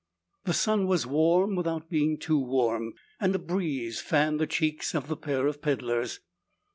The sun was warm without being too warm, and a breeze fanned the cheeks of the pair of peddlers.